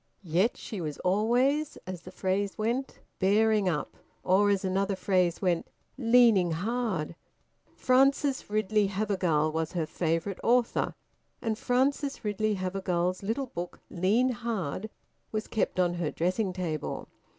Yet she was always, as the phrase went, `bearing up,' or, as another phrase went, `leaning hard.' Frances Ridley Havergal was her favourite author, and Frances Ridley Havergal's little book Lean Hard, was kept on her dressing table.